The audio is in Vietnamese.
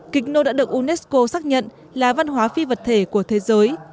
kịch nô đã được unesco xác nhận là văn hóa phi vật thể của thế giới